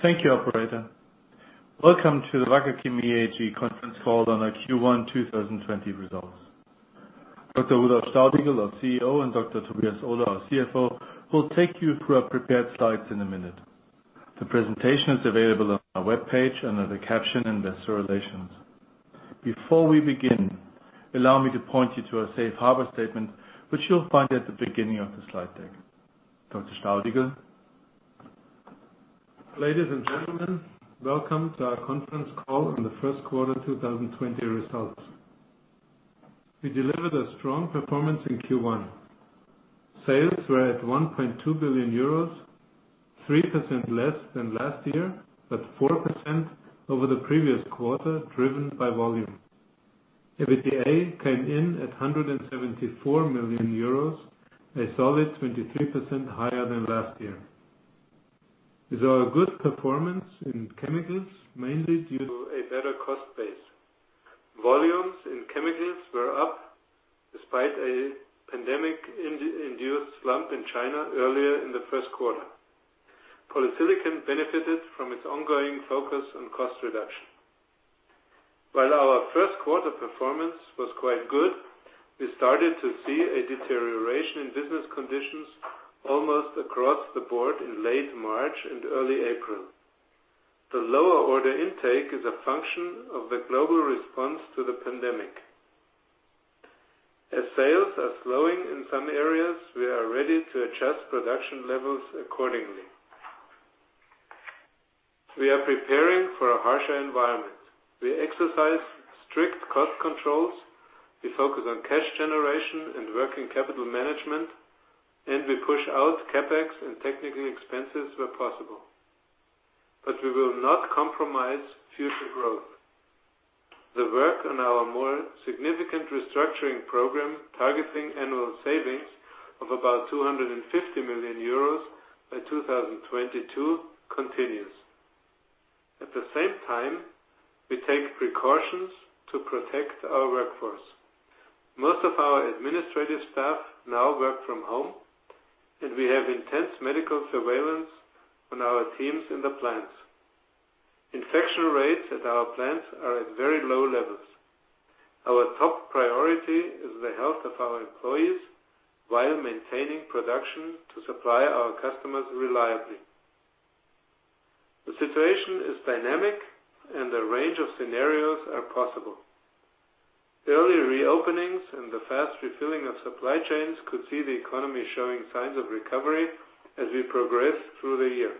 Thank you, operator. Welcome to the Wacker Chemie AG conference call on our Q1 2020 results. Dr. Rudolf Staudigl, our CEO, and Dr. Tobias Ohler, our CFO, will take you through our prepared slides in a minute. The presentation is available on our webpage under the caption Investor Relations. Before we begin, allow me to point you to our safe harbor statement, which you'll find at the beginning of the slide deck. Dr. Staudigl. Ladies and gentlemen, welcome to our conference call on the first quarter 2020 results. We delivered a strong performance in Q1. Sales were at 1.2 billion euros, 3% less than last year, but 4% over the previous quarter, driven by volume. EBITDA came in at 174 million euros, a solid 23% higher than last year. We saw a good performance in chemicals, mainly due to a better cost base. Volumes in chemicals were up despite a pandemic-induced slump in China earlier in the first quarter. Polysilicon benefited from its ongoing focus on cost reduction. While our first quarter performance was quite good, we started to see a deterioration in business conditions almost across the board in late March and early April. The lower order intake is a function of the global response to the pandemic. As sales are slowing in some areas, we are ready to adjust production levels accordingly. We are preparing for a harsher environment. We exercise strict cost controls, we focus on cash generation and working capital management, and we push out CapEx and technical expenses where possible. We will not compromise future growth. The work on our more significant restructuring program, targeting annual savings of about 250 million euros by 2022, continues. At the same time, we take precautions to protect our workforce. Most of our administrative staff now work from home, and we have intense medical surveillance on our teams in the plants. Infection rates at our plants are at very low levels. Our top priority is the health of our employees while maintaining production to supply our customers reliably. The situation is dynamic and a range of scenarios are possible. Early reopenings and the fast refilling of supply chains could see the economy showing signs of recovery as we progress through the year.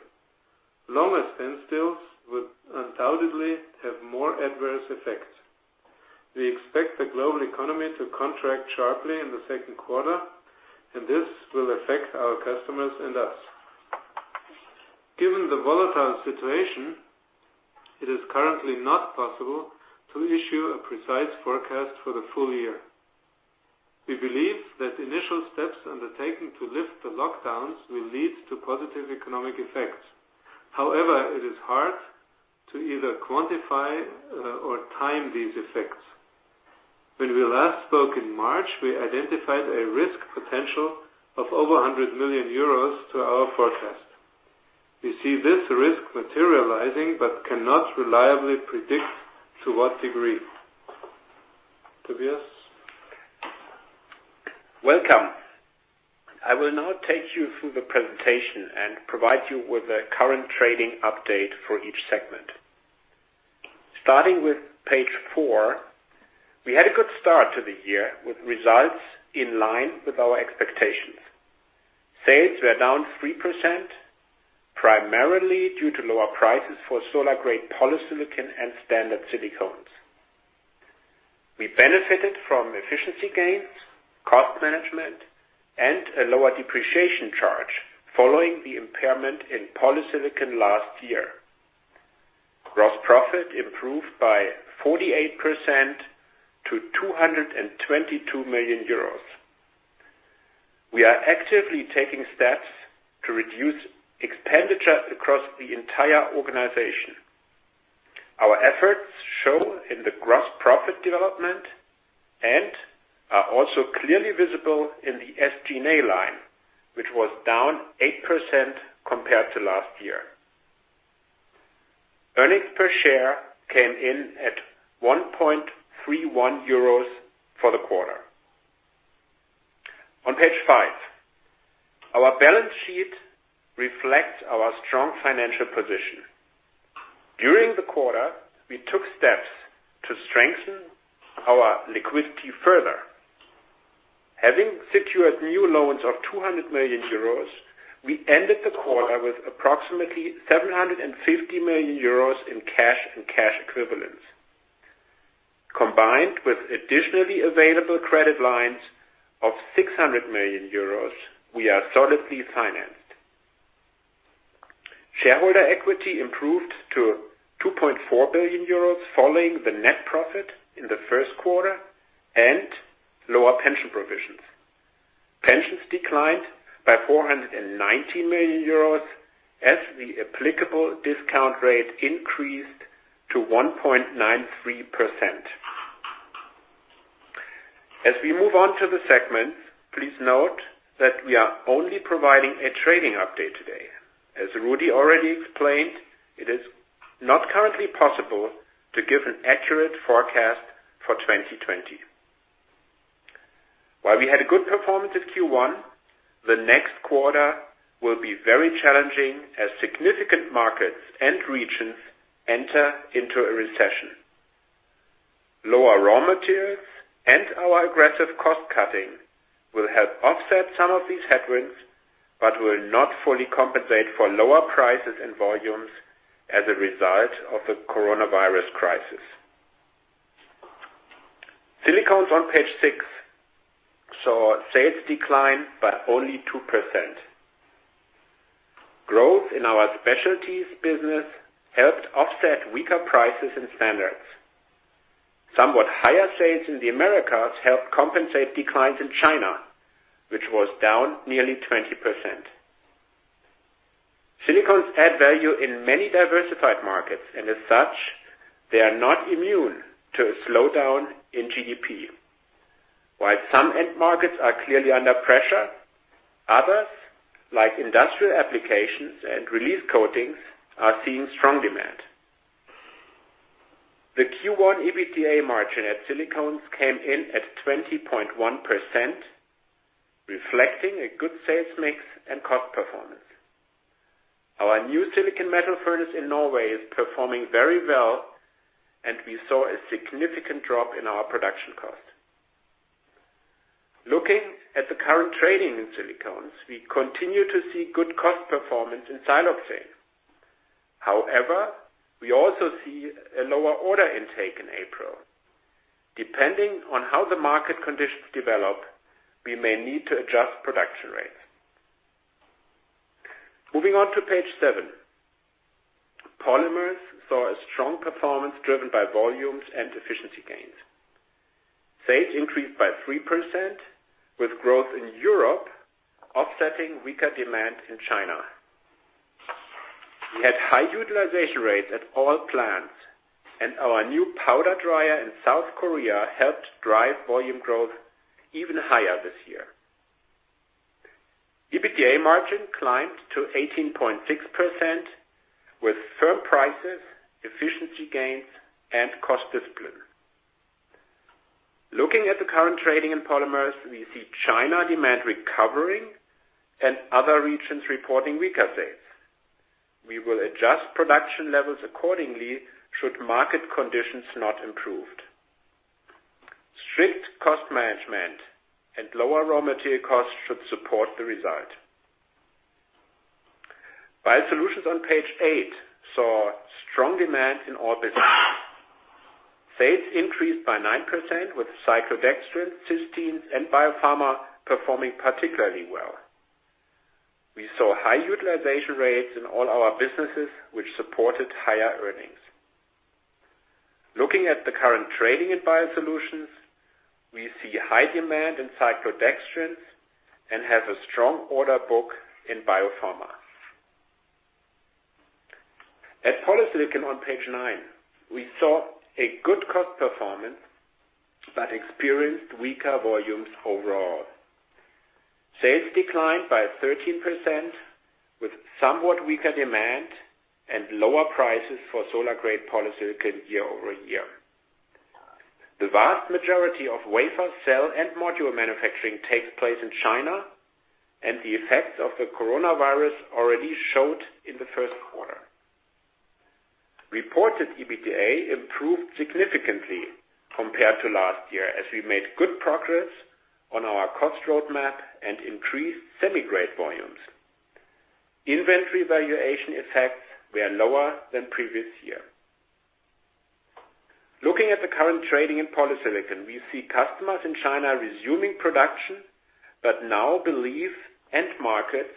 Longer standstills would undoubtedly have more adverse effects. We expect the global economy to contract sharply in the second quarter, and this will affect our customers and us. Given the volatile situation, it is currently not possible to issue a precise forecast for the full year. We believe that initial steps undertaken to lift the lockdowns will lead to positive economic effects. However, it is hard to either quantify or time these effects. When we last spoke in March, we identified a risk potential of over 100 million euros to our forecast. We see this risk materializing, but cannot reliably predict to what degree. Tobias. Welcome. I will now take you through the presentation and provide you with a current trading update for each segment. Starting with page four, we had a good start to the year with results in line with our expectations. Sales were down 3%, primarily due to lower prices for solar-grade polysilicon and standard silicones. We benefited from efficiency gains, cost management, and a lower depreciation charge following the impairment in polysilicon last year. Gross profit improved by 48% to 222 million euros. We are actively taking steps to reduce expenditure across the entire organization. Our efforts show in the gross profit development and are also clearly visible in the SG&A line, which was down 8% compared to last year. Earnings per share came in at 1.31 euros for the quarter. On page five, our balance sheet reflects our strong financial position. During the quarter, we took steps to strengthen our liquidity further. Having secured new loans of 200 million euros, we ended the quarter with approximately 750 million euros in cash and cash equivalents. Combined with additionally available credit lines of 600 million euros, we are solidly financed. Shareholder equity improved to 2.4 billion euros following the net profit in the first quarter and lower pension provisions. Pensions declined by 490 million euros as the applicable discount rate increased to 1.93%. As we move on to the segments, please note that we are only providing a trading update today. As Rudi already explained, it is not currently possible to give an accurate forecast for 2020. While we had a good performance at Q1, the next quarter will be very challenging as significant markets and regions enter into a recession. Lower raw materials and our aggressive cost-cutting will help offset some of these headwinds, but will not fully compensate for lower prices and volumes as a result of the coronavirus crisis. Wacker Silicones on page six saw sales decline by only 2%. Growth in our specialties business helped offset weaker prices and standards. Somewhat higher sales in the Americas helped compensate declines in China, which was down nearly 20%. Wacker Silicones add value in many diversified markets, and as such, they are not immune to a slowdown in GDP. While some end markets are clearly under pressure, others, like industrial applications and release coatings, are seeing strong demand. The Q1 EBITDA margin at Wacker Silicones came in at 20.1%, reflecting a good sales mix and cost performance. Our new silicon metal furnace in Norway is performing very well, and we saw a significant drop in our production cost. Looking at the current trading in Wacker Silicones, we continue to see good cost performance in siloxane. However, we also see a lower order intake in April. Depending on how the market conditions develop, we may need to adjust production rates. Moving on to page seven. Wacker Polymers saw a strong performance driven by volumes and efficiency gains. Sales increased by 3%, with growth in Europe offsetting weaker demand in China. We had high utilization rates at all plants, and our new powder dryer in South Korea helped drive volume growth even higher this year. EBITDA margin climbed to 18.6% with firm prices, efficiency gains, and cost discipline. Looking at the current trading in Wacker Polymers, we see China demand recovering and other regions reporting weaker sales. We will adjust production levels accordingly should market conditions not improve. Strict cost management and lower raw material costs should support the result. Biosolutions on page eight saw strong demand in all businesses. Sales increased by 9% with cyclodextrin, cysteines, and biopharma performing particularly well. We saw high utilization rates in all our businesses, which supported higher earnings. Looking at the current trading in Biosolutions, we see high demand in cyclodextrins and have a strong order book in biopharma. At Polysilicon on page nine, we saw a good cost performance but experienced weaker volumes overall. Sales declined by 13% with somewhat weaker demand and lower prices for solar-grade polysilicon year-over-year. The vast majority of wafer, cell, and module manufacturing takes place in China, and the effects of the coronavirus already showed in the first quarter. Reported EBITDA improved significantly compared to last year as we made good progress on our cost roadmap and increased semi-grade volumes. Inventory valuation effects were lower than previous year. Looking at the current trading in Polysilicon, we see customers in China resuming production, but now believe end markets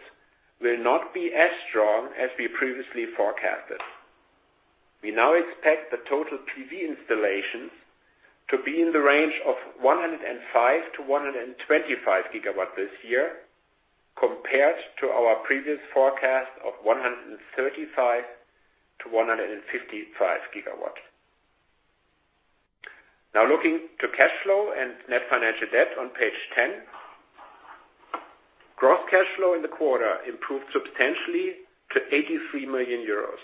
will not be as strong as we previously forecasted. We now expect the total PV installations to be in the range of 105-125 gigawatts this year, compared to our previous forecast of 135-155 gigawatts. Now looking to cash flow and net financial debt on page 10. Gross cash flow in the quarter improved substantially to 83 million euros.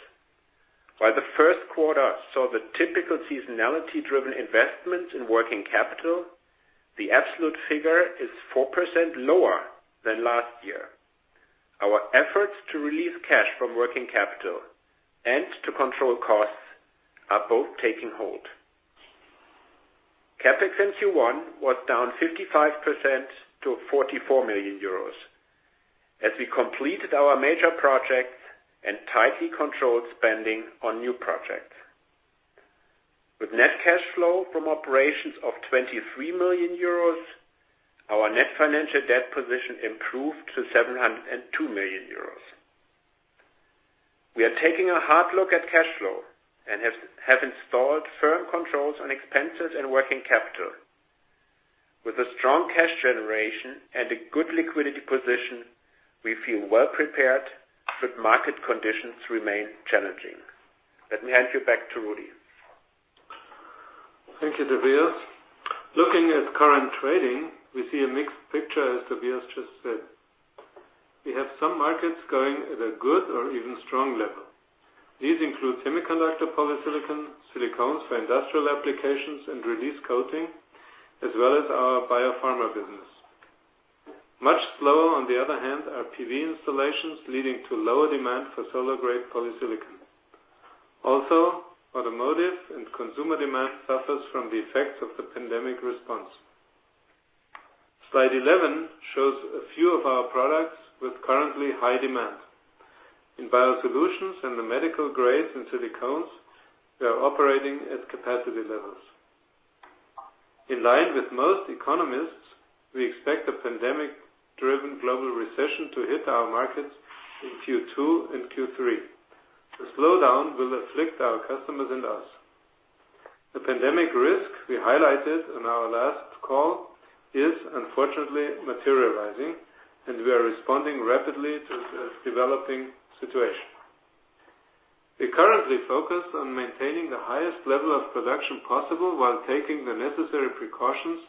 While the first quarter saw the typical seasonality-driven investments in working capital, the absolute figure is 4% lower than last year. Our efforts to release cash from working capital and to control costs are both taking hold. CapEx in Q1 was down 55% to 44 million euros as we completed our major projects and tightly controlled spending on new projects. With net cash flow from operations of 23 million euros, our net financial debt position improved to 702 million euros. We are taking a hard look at cash flow and have installed firm controls on expenses and working capital. With a strong cash generation and a good liquidity position, we feel well prepared should market conditions remain challenging. Let me hand you back to Rudi. Thank you, Tobias. Looking at current trading, we see a mixed picture, as Tobias just said. We have some markets going at a good or even strong level. These include semiconductor polysilicon, silicones for industrial applications and release coating, as well as our biopharma business. Much slower, on the other hand, are PV installations, leading to lower demand for solar-grade polysilicon. Automotive and consumer demand suffers from the effects of the pandemic response. Slide 11 shows a few of our products with currently high demand. In biosolutions and the medical grades in silicones, we are operating at capacity levels. In line with most economists, we expect a pandemic-driven global recession to hit our markets in Q2 and Q3. The slowdown will afflict our customers and us. The pandemic risk we highlighted in our last call is unfortunately materializing, we are responding rapidly to the developing situation. We currently focus on maintaining the highest level of production possible while taking the necessary precautions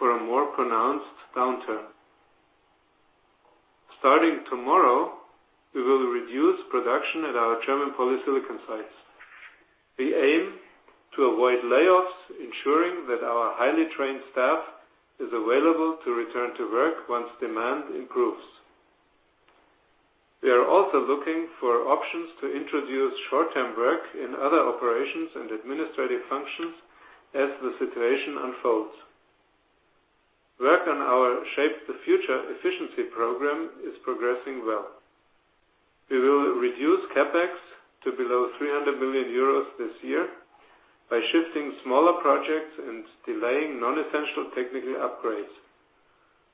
for a more pronounced downturn. Starting tomorrow, we will reduce production at our German polysilicon sites. We aim to avoid layoffs, ensuring that our highly trained staff is available to return to work once demand improves. We are also looking for options to introduce short-term work in other operations and administrative functions as the situation unfolds. Work on our Shape the Future efficiency program is progressing well. We will reduce CapEx to below 300 million euros this year by shifting smaller projects and delaying non-essential technical upgrades.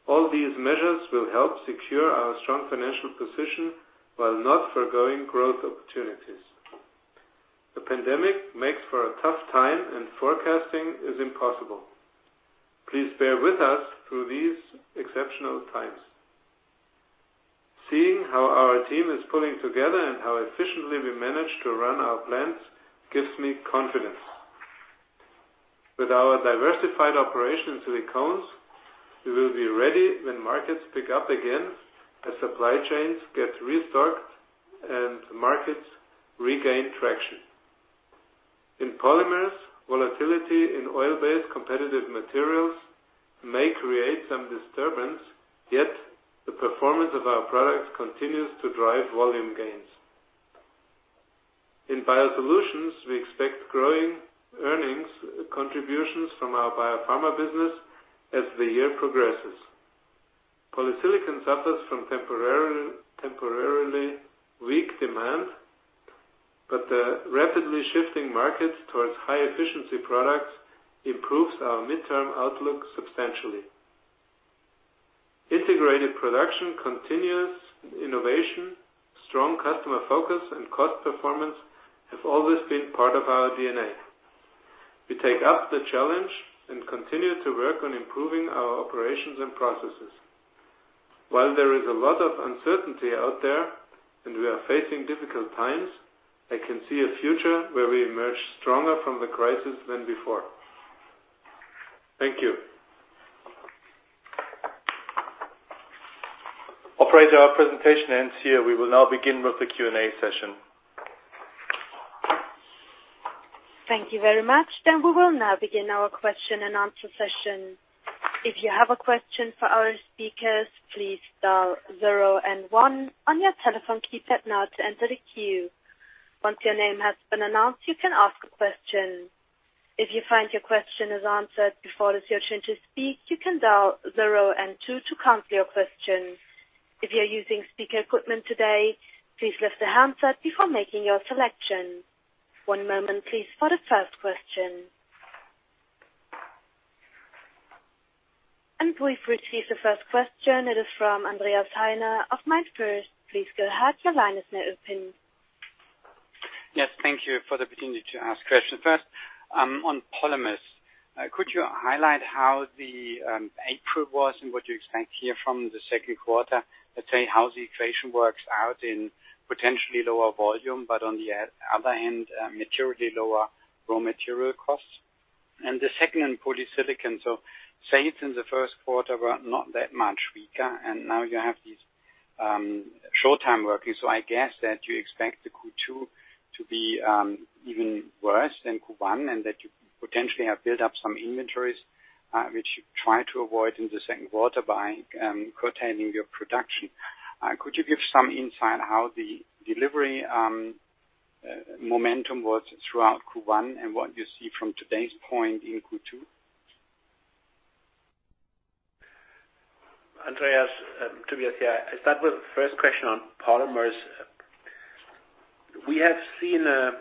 All these measures will help secure our strong financial position while not forgoing growth opportunities. The pandemic makes for a tough time and forecasting is impossible. Please bear with us through these exceptional times. Seeing how our team is pulling together and how efficiently we manage to run our plants gives me confidence. With our diversified operation in silicones, we will be ready when markets pick up again, as supply chains get restocked and markets regain traction. In polymers, volatility in oil-based competitive materials may create some disturbance, yet the performance of our products continues to drive volume gains. In biosolutions, we expect growing earnings contributions from our biopharma business as the year progresses. Polysilicon suffers from temporarily weak demand, but the rapidly shifting markets towards high-efficiency products improves our midterm outlook substantially. Integrated production, continuous innovation, strong customer focus, and cost performance have always been part of our DNA. We take up the challenge and continue to work on improving our operations and processes. While there is a lot of uncertainty out there and we are facing difficult times, I can see a future where we emerge stronger from the crisis than before. Thank you. Operator, our presentation ends here. We will now begin with the Q&A session. Thank you very much. We will now begin our question and answer session. If you have a question for our speakers, please dial zero and one on your telephone keypad now to enter the queue. Once your name has been announced, you can ask a question. If you find your question is answered before it is your turn to speak, you can dial zero and two to cancel your question. If you're using speaker equipment today, please lift the handset before making your selection. One moment please for the first question. We've received the first question. It is from Andreas Heine of MainFirst. Please go ahead. Your line is now open. Thank you for the opportunity to ask questions. First, on Wacker Polymers, could you highlight how the April was and what you expect here from the second quarter? Let's say how the equation works out in potentially lower volume, but on the other hand, materially lower raw material costs. The second on polysilicon. Sales in the first quarter were not that much weaker, and now you have these short-time working. I guess that you expect the Q2 to be even worse than Q1, and that you potentially have built up some inventories, which you try to avoid in the second quarter by curtailing your production. Could you give some insight how the delivery momentum was throughout Q1 and what you see from today's point in Q2? Andreas, Tobias here. I start with the first question on Wacker Polymers. We have seen a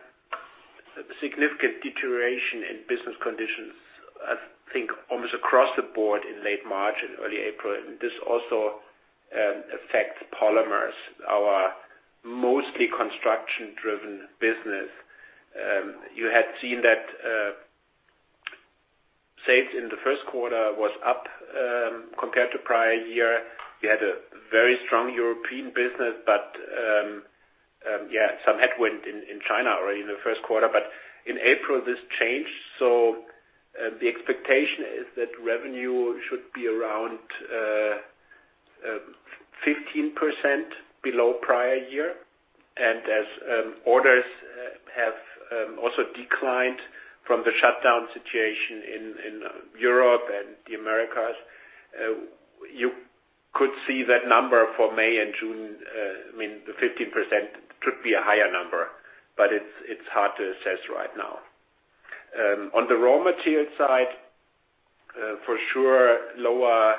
significant deterioration in business conditions, I think almost across the board in late March and early April, and this also affects Wacker Polymers, our mostly construction-driven business. You had seen that Sales in the first quarter was up compared to prior year. We had a very strong European business. Some headwind in China already in the first quarter, but in April, this changed. The expectation is that revenue should be around 15% below prior year. As orders have also declined from the shutdown situation in Europe and the Americas, you could see that number for May and June, the 15% could be a higher number. It's hard to assess right now. On the raw material side, for sure, lower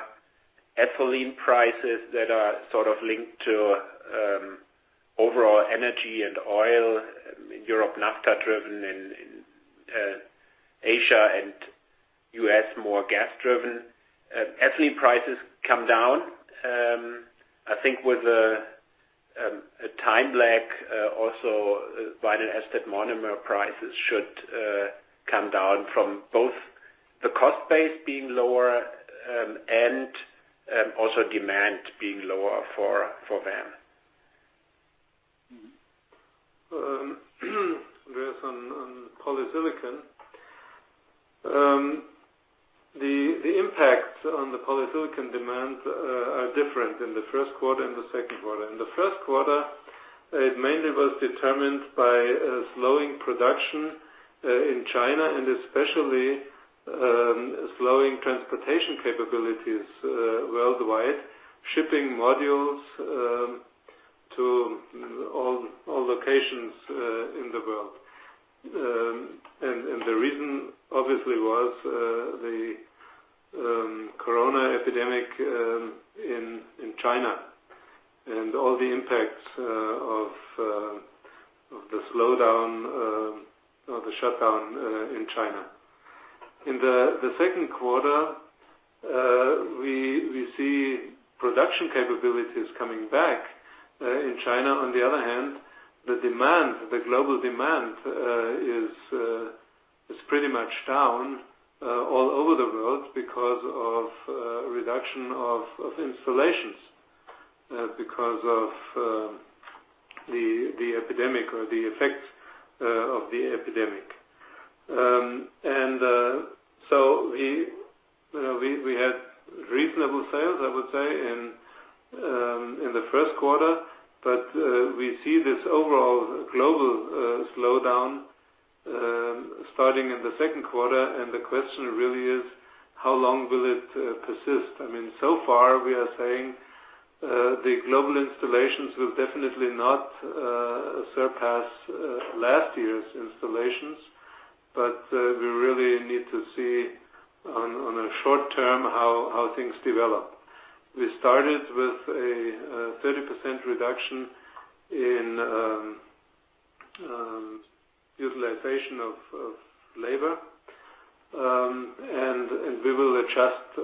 ethylene prices that are sort of linked to overall energy and oil in Europe, naphtha driven in Asia and U.S., more gas driven. Ethylene prices come down. I think with a time lag, also vinyl acetate monomer prices should come down from both the cost base being lower and also demand being lower for them. On polysilicon. The impact on the polysilicon demand are different in the first quarter and the second quarter. In the first quarter, it mainly was determined by a slowing production in China, especially slowing transportation capabilities worldwide, shipping modules to all locations in the world. The reason obviously was the corona epidemic in China and all the impacts of the slowdown, or the shutdown in China. In the second quarter, we see production capabilities coming back in China. On the other hand, the global demand is pretty much down all over the world because of reduction of installations, because of the epidemic or the effects of the epidemic. We had reasonable sales, I would say, in the first quarter. We see this overall global slowdown starting in the second quarter, and the question really is how long will it persist? So far, we are saying the global installations will definitely not surpass last year's installations. We really need to see on a short term how things develop. We started with a 30% reduction in utilization of labor, and we will adjust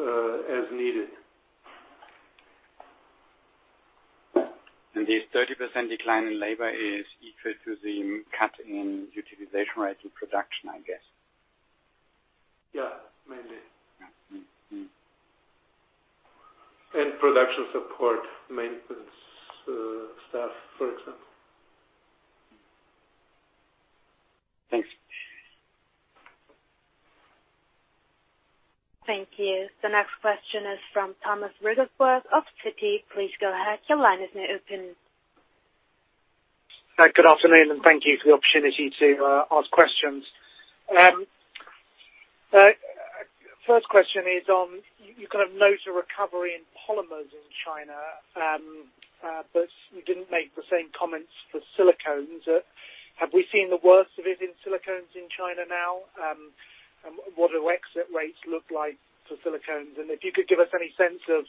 as needed. The 30% decline in labor is equal to the cut in utilization rate in production, I guess. Yeah, mainly. Yeah. Production support maintenance staff, for example. Thanks. Thank you. The next question is from Thomas Wrigglesworth of Citi. Please go ahead. Your line is now open. Good afternoon, and thank you for the opportunity to ask questions. First question is on, you kind of note a recovery in polymers in China. You didn't make the same comments for silicones. Have we seen the worst of it in silicones in China now? What do exit rates look like for silicones? If you could give us any sense of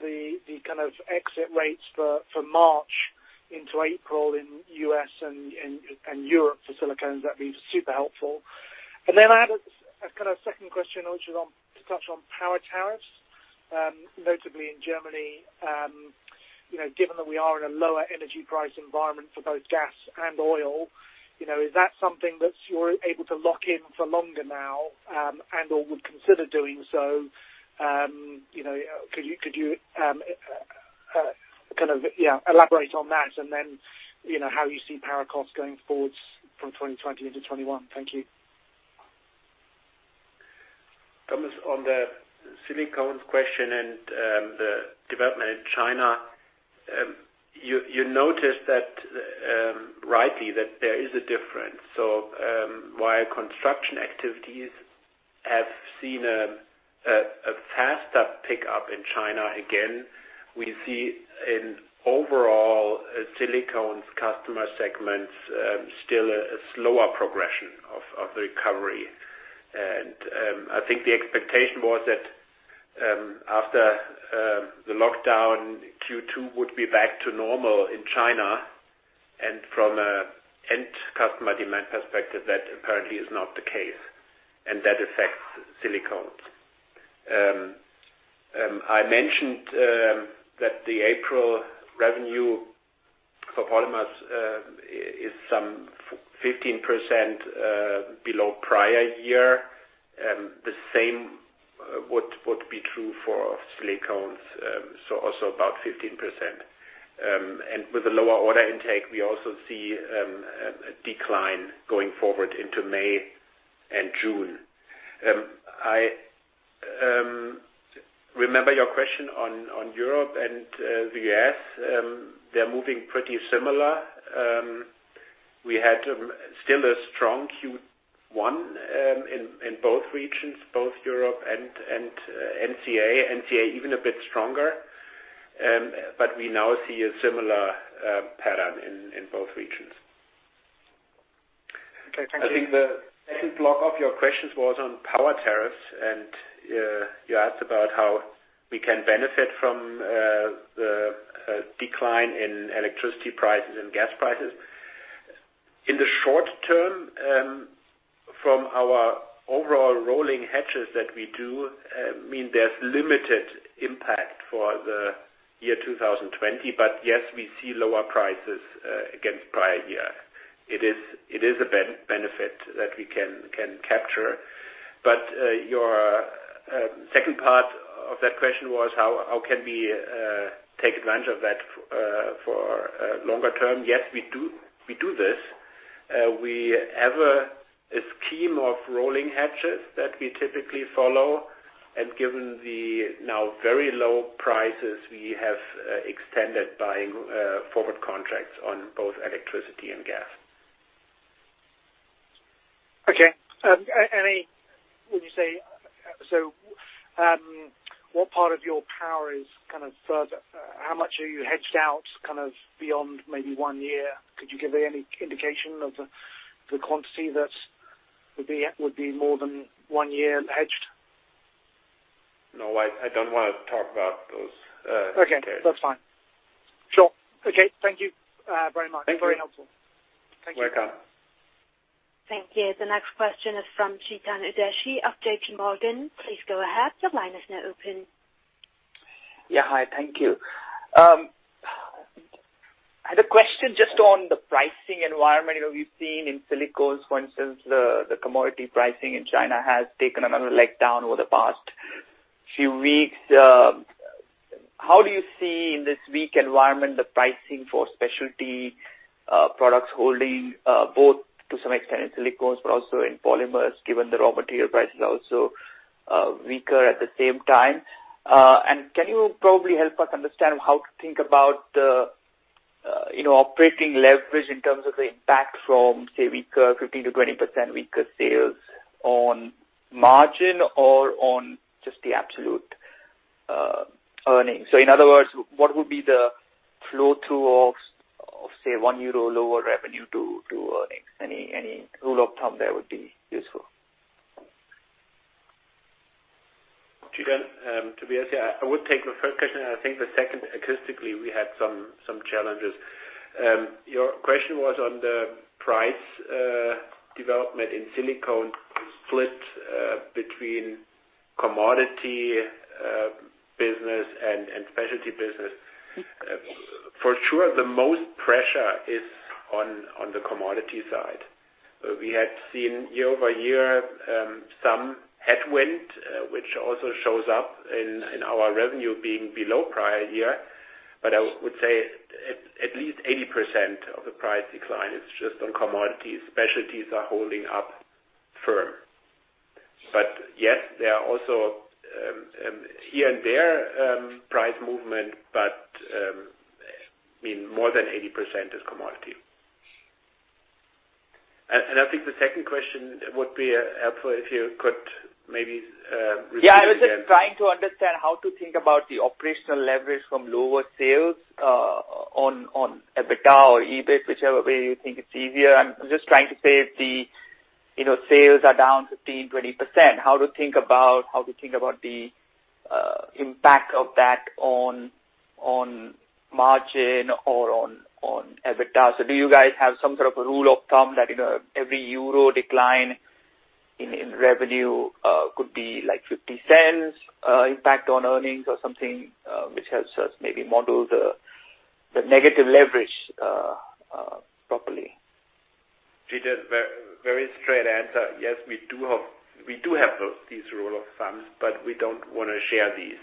the kind of exit rates for March into April in U.S. and Europe for silicones, that'd be super helpful. I had a kind of second question, which is on, to touch on power tariffs, notably in Germany. Given that we are in a lower energy price environment for both gas and oil, is that something that you're able to lock in for longer now? Would consider doing so. Could you kind of elaborate on that and then, how you see power costs going forwards from 2020 into 2021? Thank you. Thomas, on the silicones question and the development in China. You noticed rightly that there is a difference. While construction activities have seen a faster pickup in China again, we see an overall silicones customer segments still a slower progression of the recovery. I think the expectation was that after the lockdown, Q2 would be back to normal in China. From an end customer demand perspective, that apparently is not the case, and that affects silicones. I mentioned that the April revenue for polymers is some 15% below prior year. The same would be true for silicones. Also about 15%. With a lower order intake, we also see a decline going forward into May and June. I remember your question on Europe and the U.S. They are moving pretty similar. We had still a strong Q1 in both regions, both Europe and NCA. NCA even a bit stronger. We now see a similar pattern in both regions. Okay. Thank you. I think the second block of your questions was on power tariffs, and you asked about how we can benefit from the decline in electricity prices and gas prices. In the short term, from our overall rolling hedges that we do, mean there's limited impact for the year 2020. Yes, we see lower prices against prior year. It is a benefit that we can capture. Your second part of that question was how can we take advantage of that for longer term. Yes, we do this. We have a scheme of rolling hedges that we typically follow, and given the now very low prices, we have extended buying forward contracts on both electricity and gas. Okay. Would you say, how much are you hedged out kind of beyond maybe one year? Could you give any indication of the quantity that would be more than one year hedged? No, I don't want to talk about those details. Okay, that's fine. Sure. Okay, thank you very much. Thank you. Very helpful. Thank you. Welcome. Thank you. The next question is from Chetan Udeshi of JPMorgan. Please go ahead. Your line is now open. Hi, thank you. I had a question just on the pricing environment. We've seen in silicones, for instance, the commodity pricing in China has taken another leg down over the past few weeks. How do you see in this weak environment, the pricing for specialty products holding both to some extent in silicones but also in polymers, given the raw material pricing also weaker at the same time? Can you probably help us understand how to think about the operating leverage in terms of the impact from, say weaker, 15%-20% weaker sales on margin or on just the absolute earnings? In other words, what would be the flow through of, say 1 euro lower revenue to earnings? Any rule of thumb there would be useful. Chetan, to be honest, I would take the first question. I think the second, acoustically, we had some challenges. Your question was on the price development in silicones split between commodity business and specialty business. For sure, the most pressure is on the commodity side. We had seen year-over-year some headwind, which also shows up in our revenue being below prior year. I would say at least 80% of the price decline is just on commodities. Specialties are holding up firm. Yes, there are also here and there price movement, but more than 80% is commodity. I think the second question would be helpful if you could maybe repeat again. Yeah, I was just trying to understand how to think about the operational leverage from lower sales on EBITDA or EBIT, whichever way you think it's easier. I'm just trying to say if the sales are down 15%-20%, how to think about the impact of that on margin or on EBITDA. Do you guys have some sort of a rule of thumb that every EUR decline in revenue could be 0.50 impact on earnings or something, which helps us maybe model the negative leverage properly? Chetan, very straight answer. Yes, we do have these rule of thumbs, but we don't want to share these,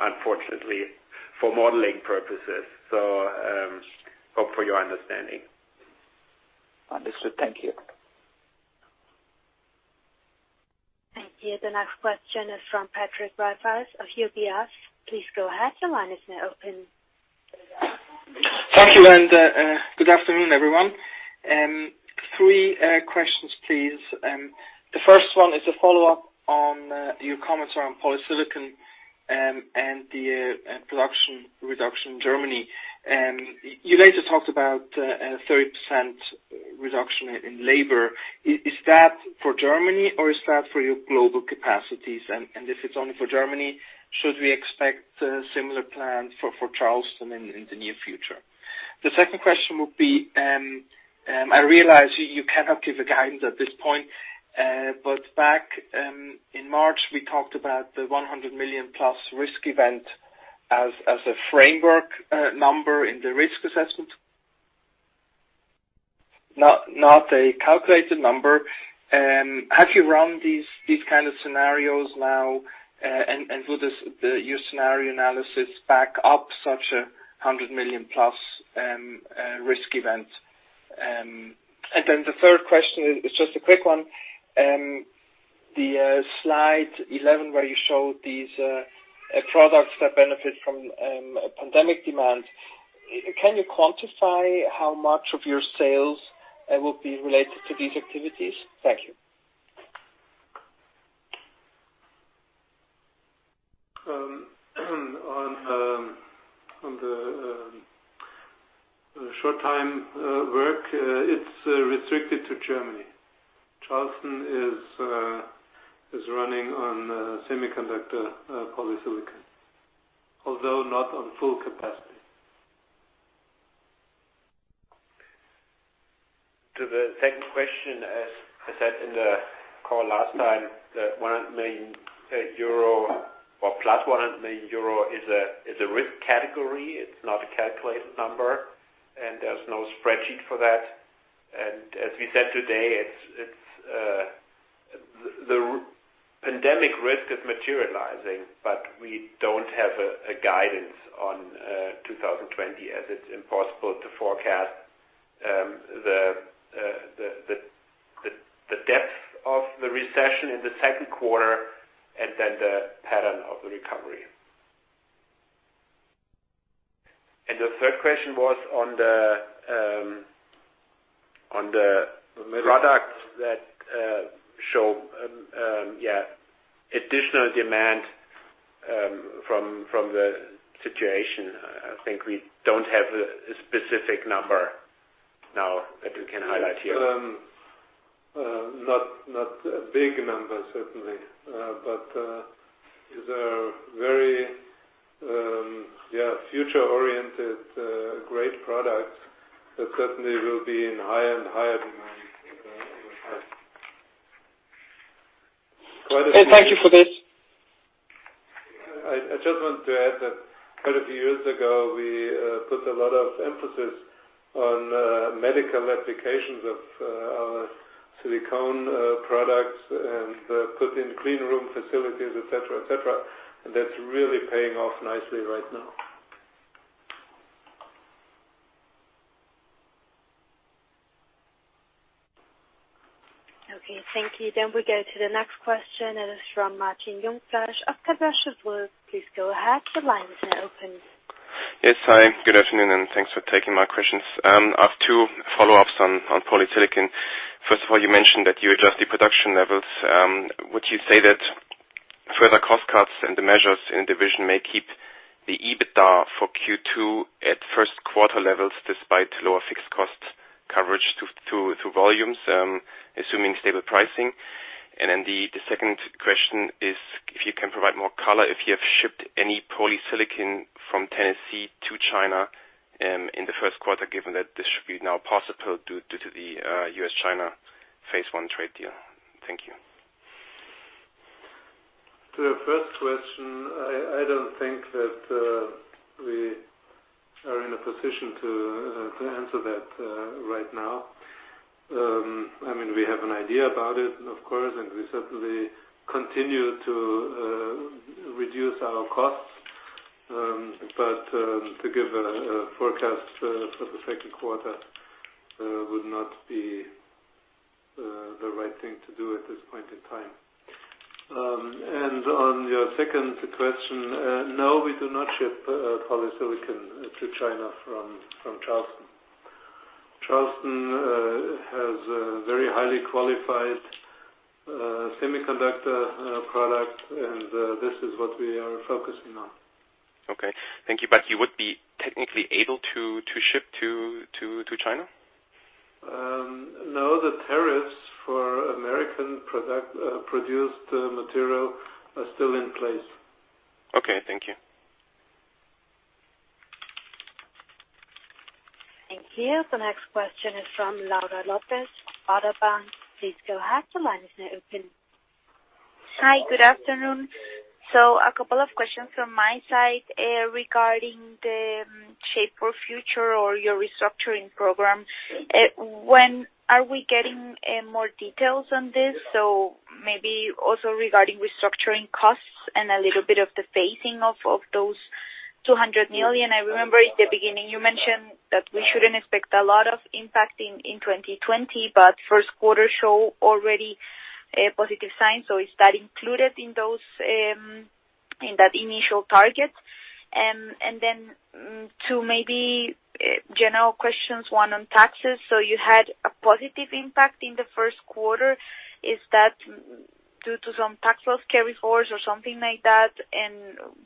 unfortunately, for modeling purposes. Hope for your understanding. Understood. Thank you. Thank you. The next question is from Patrick Rafa of UBS. Please go ahead. Your line is now open. Thank you, and good afternoon, everyone. Three questions, please. The first one is a follow-up on your comments around polysilicon and the production reduction in Germany. You later talked about a 30% reduction in labor. Is that for Germany or is that for your global capacities? If it's only for Germany, should we expect a similar plan for Charleston in the near future? The second question would be. I realize you cannot give a guidance at this point, but back in March, we talked about the 100 million-plus risk event as a framework number in the risk assessment. Not a calculated number. Have you run these kind of scenarios now, and will your scenario analysis back up such 100 million-plus risk event? The third question is just a quick one. The Slide 11 where you showed these products that benefit from pandemic demand, can you quantify how much of your sales will be related to these activities? Thank you. On the short-time work, it's restricted to Germany. Charleston is running on semiconductor polysilicon, although not on full capacity. To the second question, as I said in the call last time, the plus 100 million euro is a risk category. It's not a calculated number, and there's no spreadsheet for that. As we said today, the pandemic risk is materializing, but we don't have a guidance on 2020, as it's impossible to forecast the depth of the recession in the second quarter and then the pattern of the recovery. The third question was on the products that show additional demand from the situation. I think we don't have a specific number now that we can highlight here. Not a big number, certainly. These are very future-oriented, great products that certainly will be in higher and higher demand over time. Thank you for this. I just want to add that quite a few years ago, we put a lot of emphasis on medical applications of our silicone products and put in clean room facilities, et cetera. That's really paying off nicely right now. Okay, thank you. We go to the next question. It is from Martin Jungfleisch of Berenberg. Please go ahead. The line is now open. Yes, hi. Good afternoon. Thanks for taking my questions. I have two follow-ups on polysilicon. First of all, you mentioned that you adjust the production levels. Would you say that further cost cuts and the measures in division may keep the EBITDA for Q2 at first quarter levels despite lower fixed cost coverage to volumes, assuming stable pricing? The second question is if you can provide more color if you have shipped any polysilicon from Tennessee to China in the first quarter, given that this should be now possible due to the US-China phase one trade deal. Thank you. To the first question, I don't think that we are in a position to answer that right now. We have an idea about it, of course, we certainly continue to reduce our costs. To give a forecast for the second quarter would not be the right thing to do at this point in time. On your second question, no, we do not ship polysilicon to China from Charleston. Charleston has a very highly qualified semiconductor product, and this is what we are focusing on. Okay. Thank you. You would be technically able to ship to China? No, the tariffs for American produced material are still in place. Okay, thank you. Thank you. The next question is from Laura Lopez, Baader Bank. Please go ahead. The line is now open. Hi, good afternoon. A couple of questions from my side regarding the Shape the Future or your restructuring program. When are we getting more details on this? Maybe also regarding restructuring costs and a little bit of the phasing of those 200 million. I remember at the beginning you mentioned that we shouldn't expect a lot of impact in 2020, but first quarter show already a positive sign. Is that included in that initial target? Two maybe general questions. One on taxes. You had a positive impact in the first quarter. Is that due to some tax loss carryforwards or something like that?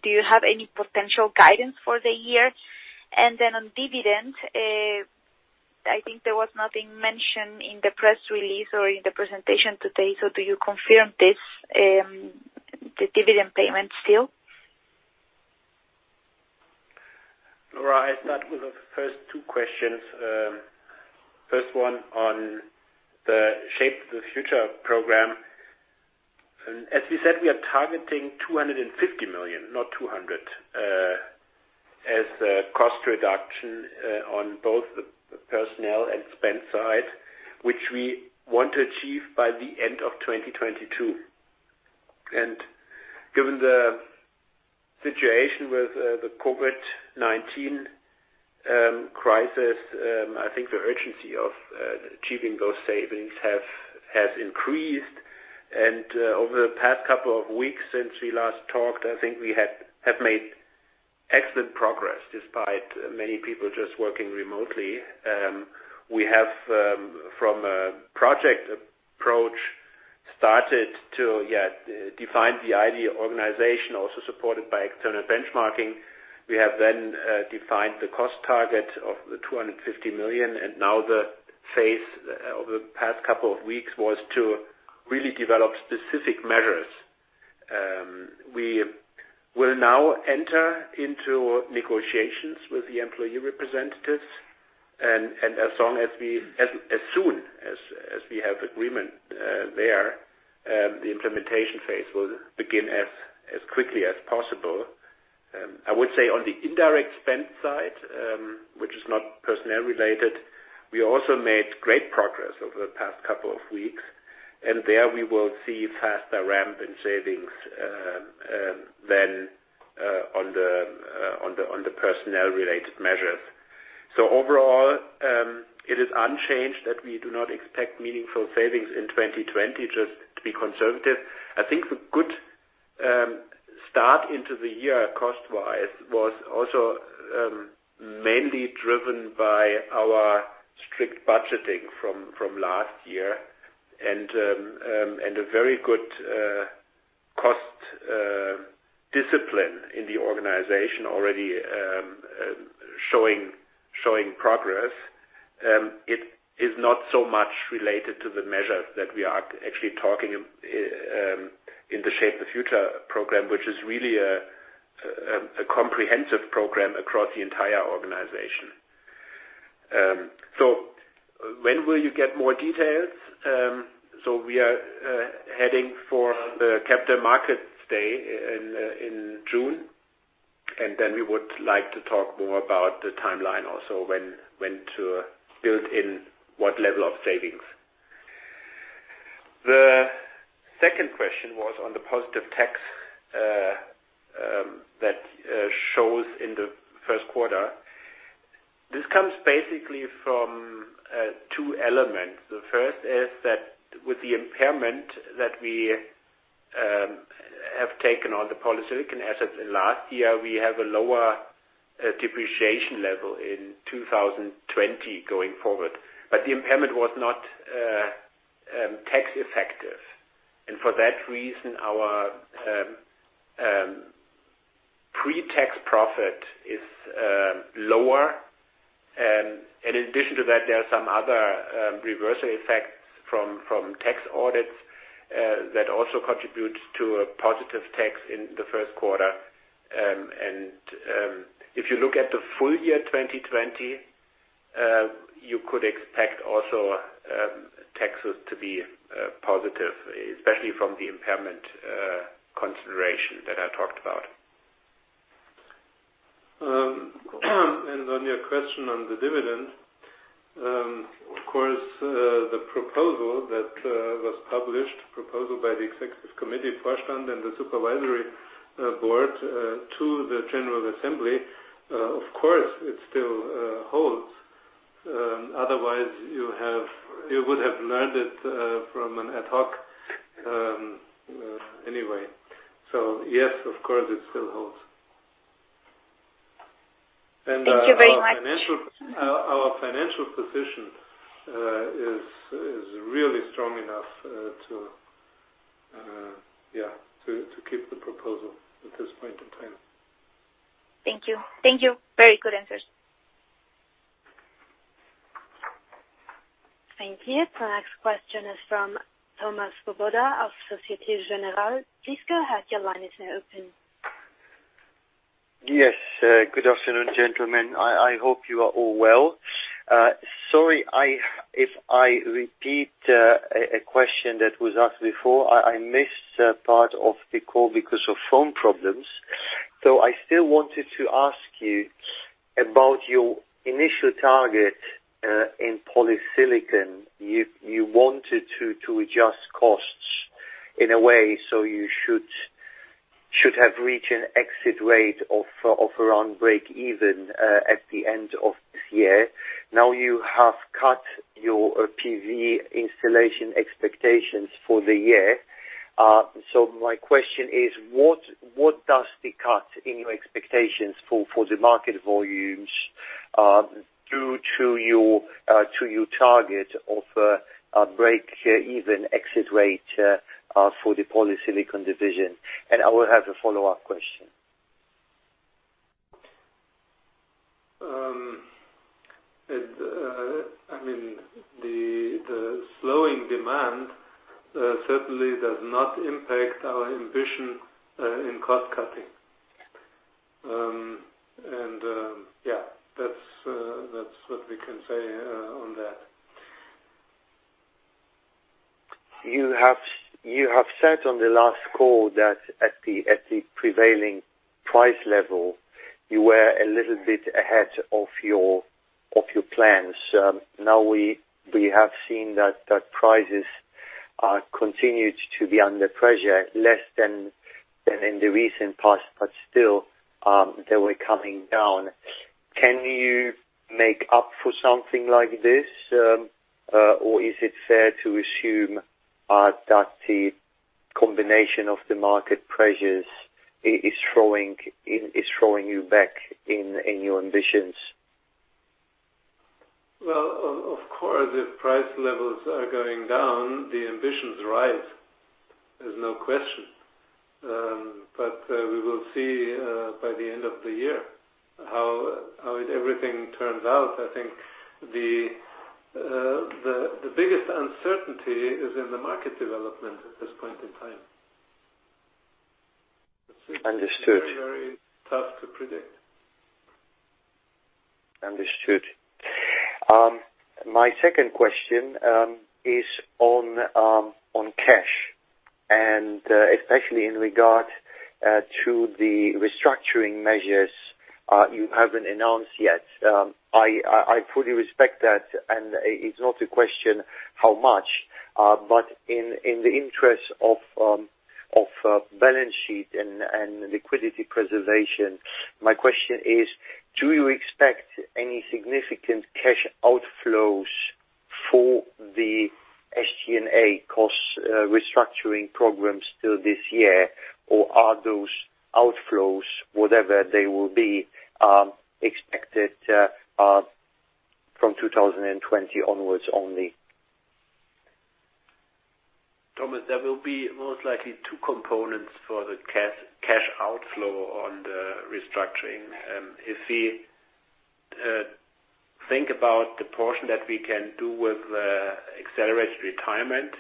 Do you have any potential guidance for the year? On dividend, I think there was nothing mentioned in the press release or in the presentation today. Do you confirm this, the dividend payment still? Laura, I start with the first two questions. First one on the Shape the Future program. As we said, we are targeting 250 million, not 200, as a cost reduction on both the personnel and spend side, which we want to achieve by the end of 2022. Given the situation with the COVID-19 crisis, I think the urgency of achieving those savings has increased. Over the past couple of weeks since we last talked, I think we have made excellent progress despite many people just working remotely. We have, from a project approach, started to define the ideal organization, also supported by external benchmarking. We have then defined the cost target of the 250 million, and now the phase over the past couple of weeks was to really develop specific measures. We will now enter into negotiations with the employee representatives, and as soon as we have agreement there, the implementation phase will begin as quickly as possible. I would say on the indirect spend side, which is not personnel-related, we also made great progress over the past couple of weeks. There we will see faster ramp in savings than on the personnel-related measures. Overall, it is unchanged that we do not expect meaningful savings in 2020, just to be conservative. I think the good start into the year cost-wise was also mainly driven by our strict budgeting from last year and a very good cost discipline in the organization already showing progress. It is not so much related to the measures that we are actually talking in the Shape the Future program, which is really a comprehensive program across the entire organization. When will you get more details? We are heading for the Capital Markets Day in June, and then we would like to talk more about the timeline also, when to build in what level of savings. The second question was on the positive tax that shows in the Q1. This comes basically from two elements. The first is that with the impairment that we have taken on the polysilicon assets in last year, we have a lower depreciation level in 2020 going forward. The impairment was not tax effective. For that reason, our pre-tax profit is lower. In addition to that, there are some other reversal effects from tax audits that also contribute to a positive tax in the Q1. If you look at the full year 2020, you could expect also taxes to be positive, especially from the impairment consideration that I talked about. On your question on the dividend, of course, the proposal that was published, proposal by the executive committee, Vorstand, and the supervisory board to the general assembly, of course, it still holds. Otherwise, you would have learned it from an ad hoc anyway. Yes, of course, it still holds. Thank you very much. Our financial position is really strong enough to keep the proposal at this point in time. Thank you. Very good answers. Thank you. The next question is from Tomas Swoboda of Societe Generale. Please go ahead, your line is now open. Yes. Good afternoon, gentlemen. I hope you are all well. Sorry if I repeat a question that was asked before. I missed part of the call because of phone problems. I still wanted to ask you about your initial target in polysilicon. You wanted to adjust costs in a way so you should have reached an exit rate of around break even at the end of this year. Now you have cut your PV installation expectations for the year. My question is, what does the cut in your expectations for the market volumes do to your target of a break even exit rate for the polysilicon division? I will have a follow-up question. I mean, the slowing demand certainly does not impact our ambition in cost cutting. Yeah, that's what we can say on that. You have said on the last call that at the prevailing price level, you were a little bit ahead of your plans. We have seen that prices are continued to be under pressure less than in the recent past, but still, they were coming down. Can you make up for something like this? Is it fair to assume that the combination of the market pressures is throwing you back in your ambitions? Well, of course, if price levels are going down, the ambitions rise. There's no question. We will see by the end of the year how everything turns out. I think the biggest uncertainty is in the market development at this point in time. Understood. Very, very tough to predict. Understood. My second question is on cash, and especially in regard to the restructuring measures you haven't announced yet. I fully respect that, and it's not a question how much. In the interest of balance sheet and liquidity preservation, my question is: Do you expect any significant cash outflows for the SG&A cost restructuring programs still this year? Are those outflows, whatever they will be, expected from 2020 onwards only? Thomas, there will be most likely two components for the cash outflow on the restructuring. If we think about the portion that we can do with accelerated retirement,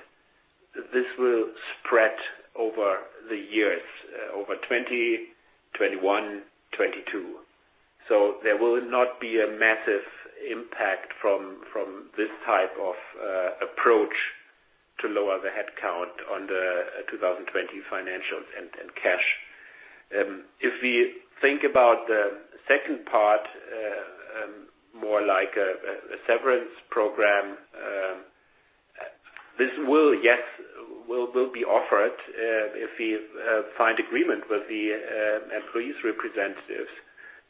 this will spread over the years, over 2020, 2021, 2022. There will not be a massive impact from this type of approach to lower the headcount on the 2020 financials and cash. If we think about the second part, more like a severance program, this will, yes, be offered, if we find agreement with the employees' representatives.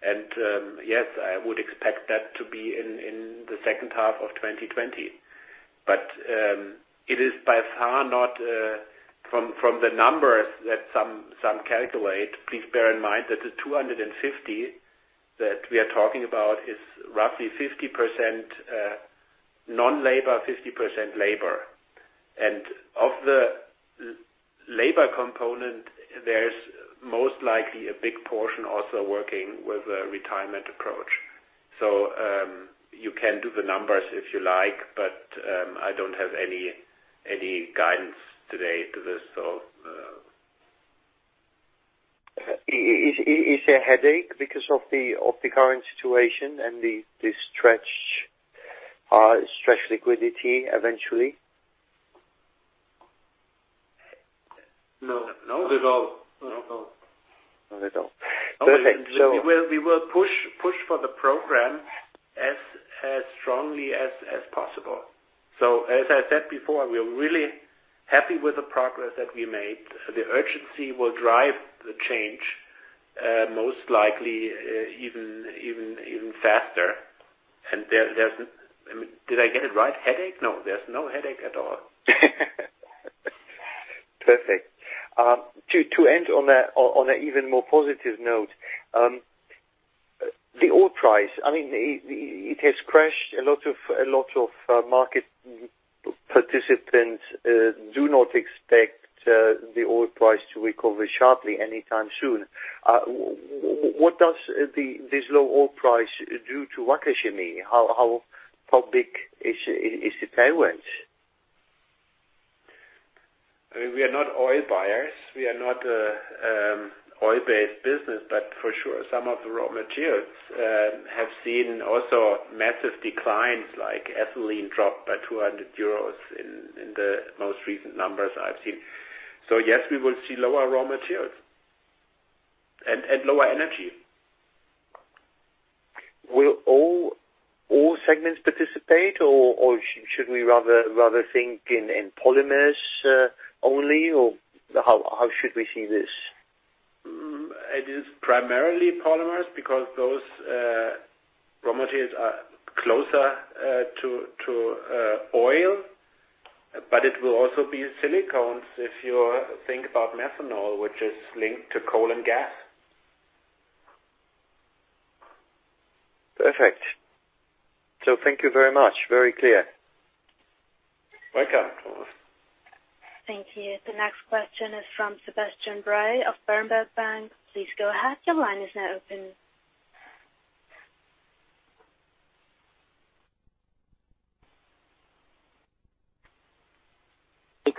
Yes, I would expect that to be in the second half of 2020. It is by far not from the numbers that some calculate. Please bear in mind that the 250 that we are talking about is roughly 50% non-labor, 50% labor. Of the labor component, there's most likely a big portion also working with a retirement approach. You can do the numbers if you like, but I don't have any guidance today to this. Is it a headache because of the current situation and the stretched liquidity eventually? No. No? Not at all. Not at all. Perfect. We will push for the program as strongly as possible. As I said before, we are really happy with the progress that we made. The urgency will drive the change, most likely even faster. Did I get it right, headache? No, there's no headache at all. Perfect. To end on an even more positive note. The oil price, I mean, it has crashed. A lot of market participants do not expect the oil price to recover sharply anytime soon. What does this low oil price do to Wacker Chemie? How big is the tailwind? I mean, we are not oil buyers. We are not an oil-based business. For sure some of the raw materials have seen also massive declines like ethylene dropped by 200 euros in the most recent numbers I've seen. Yes, we will see lower raw materials and lower energy. Will all segments participate or should we rather think in Polymers only or how should we see this? It is primarily polymers because those raw materials are closer to oil. It will also be silicones if you think about methanol, which is linked to coal and gas. Perfect. Thank you very much. Very clear. Here, the next question is from Sebastian Bray of Berenberg Bank. Please go ahead. Your line is now open.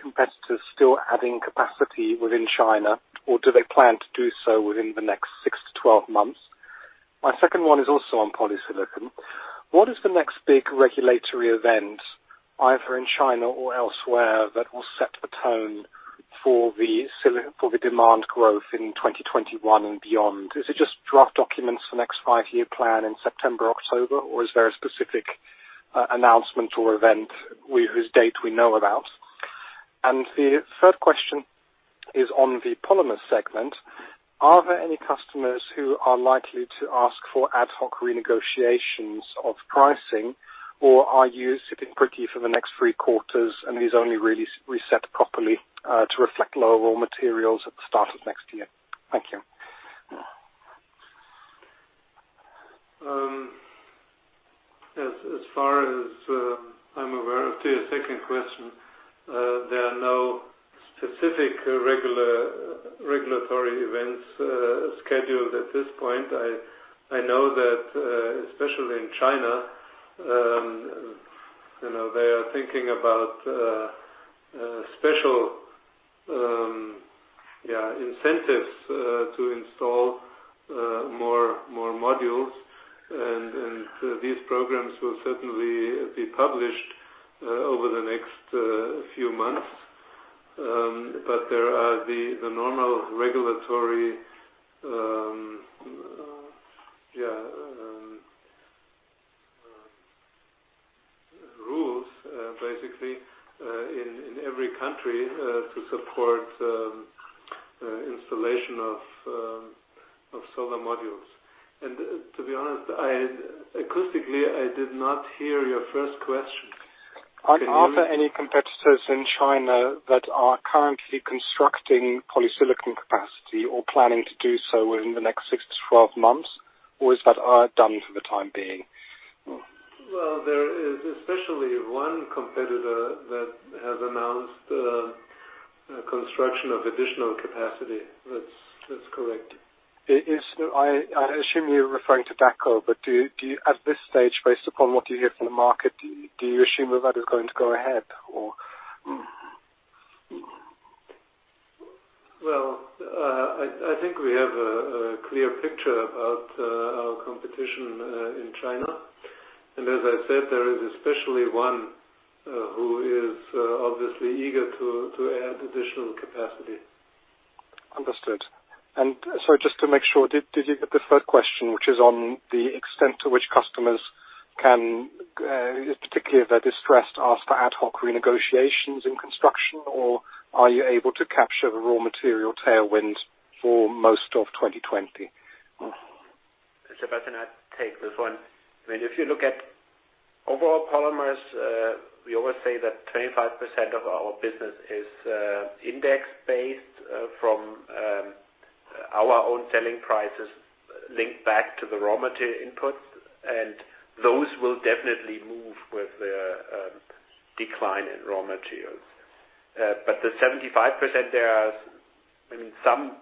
competitors still adding capacity within China, or do they plan to do so within the next 6 to 12 months? My second one is also on polysilicon. What is the next big regulatory event, either in China or elsewhere, that will set the tone for the demand growth in 2021 and beyond? Is it just draft documents for next five-year plan in September, October, or is there a specific announcement or event with whose date we know about? The third question is on the polymers segment. Are there any customers who are likely to ask for ad hoc renegotiations of pricing, or are you sitting pretty for the next three quarters, and these only really reset properly, to reflect lower raw materials at the start of next year? Thank you. As far as I'm aware, to your second question, there are no specific regulatory events scheduled at this point. I know that, especially in China, they are thinking about special incentives to install more modules, and these programs will certainly be published over the next few months. There are the normal regulatory rules, basically, in every country to support installation of solar modules. To be honest, acoustically, I did not hear your first question. Can you? Are there any competitors in China that are currently constructing polysilicon capacity or planning to do so within the next six to 12 months, or is that done for the time being? Well, there is especially one competitor that has announced the construction of additional capacity. That's correct. I assume you're referring to Daqo, but at this stage, based upon what you hear from the market, do you assume that is going to go ahead, or? Well, I think we have a clear picture about our competition in China. As I said, there is especially one who is obviously eager to add additional capacity. Understood. Sorry, just to make sure, did you get the third question, which is on the extent to which customers can, particularly if they are distressed, ask for ad hoc renegotiations in construction, or are you able to capture the raw material tailwind for most of 2020? Sebastian, I will take this one. If you look at overall polymers, we always say that 25% of our business is index-based from our own selling prices linked back to the raw material inputs. Those will definitely move with the decline in raw materials. The 75%, there are some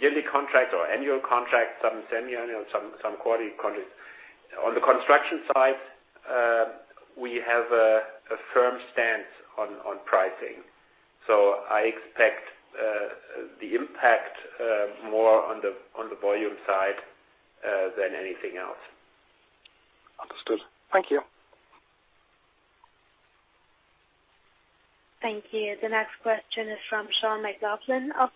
yearly contracts or annual contracts, some semi-annual, some quarterly contracts. On the construction side, we have a firm stance on pricing. I expect the impact more on the volume side than anything else. Understood. Thank you. Thank you. The next question is from Sean McLoughlin of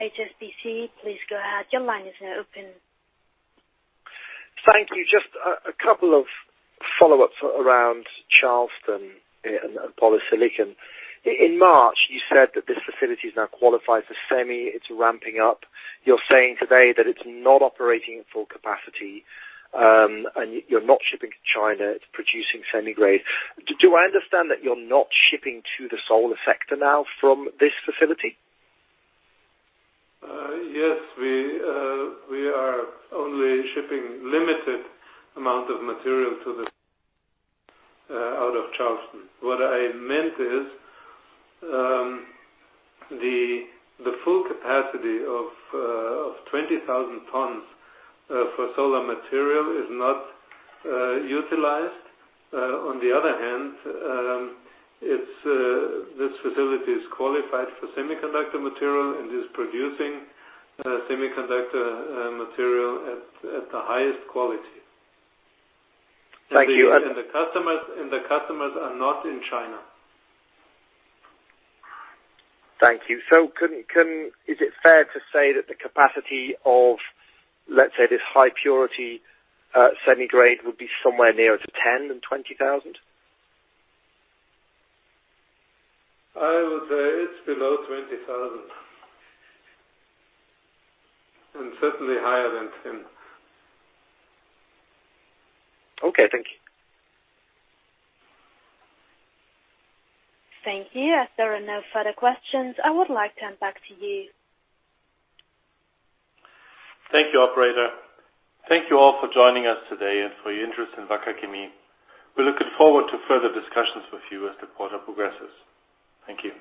HSBC. Please go ahead. Your line is now open. Thank you. Just a couple of follow-ups around Charleston and polysilicon. In March, you said that this facility is now qualified for semi. It's ramping up. You're saying today that it's not operating at full capacity, and you're not shipping to China. It's producing semi-grade. Do I understand that you're not shipping to the solar sector now from this facility? Yes. We are only shipping limited amount of material out of Charleston. What I meant is, the full capacity of 20,000 tons for solar material is not utilized. On the other hand, this facility is qualified for semiconductor material and is producing semiconductor material at the highest quality. Thank you. The customers are not in China. Thank you. Is it fair to say that the capacity of, let's say, this high purity semi-grade would be somewhere nearer to 10 than 20,000? I would say it's below 20,000. Certainly higher than 10. Okay. Thank you. Thank you. As there are no further questions, I would like to hand back to you. Thank you, operator. Thank you all for joining us today and for your interest in Wacker Chemie. We're looking forward to further discussions with you as the quarter progresses. Thank you.